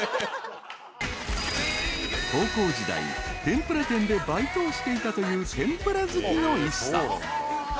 ［高校時代天ぷら店でバイトをしていたという天ぷら好きのＩＳＳＡ］